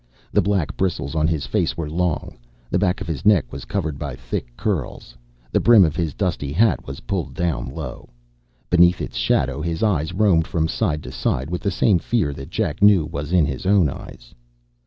The black bristles on his face were long; the back of his neck was covered by thick curls. The brim of his dusty hat was pulled down low. Beneath its shadow his eyes roamed from side to side with the same fear that Jack knew was in his own eyes.